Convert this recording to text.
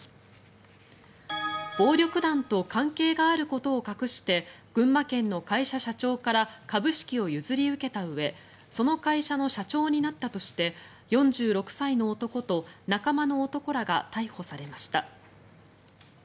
暴力団と関係があることを隠して群馬県の会社社長から株式を譲り受けたうえその会社の社長になったとして４６歳の男と仲間の男らが逮捕されました。